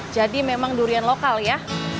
jadi memang durian lokal ya